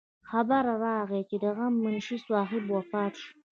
خبر راغے د غم منشي صاحب وفات شو